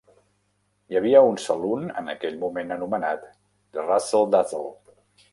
Hi havia un saloon en aquell moment anomenat "The Razzle Dazzle".